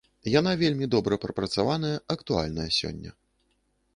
Яна вельмі добра прапрацаваная, актуальная сёння.